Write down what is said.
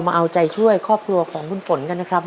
มาเอาใจช่วยครอบครัวของคุณฝนกันนะครับ